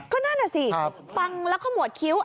คือนั่นอ่ะสิฟังแล้วขโมดคิ้ว